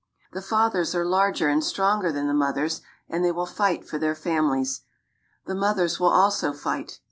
The fathers are larger and stronger than the mothers, and they will fight for their families. The mothers will also fight.